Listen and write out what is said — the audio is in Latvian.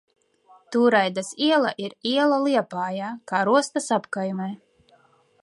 Turaidas iela ir iela Liepājā, Karostas apkaimē.